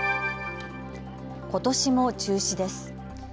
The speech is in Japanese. ことしも中止です。